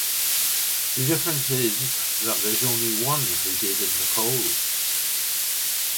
The difference is that there's only one who dated Nicole.